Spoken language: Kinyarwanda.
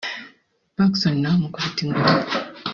Pacson nawe amukubita ingumi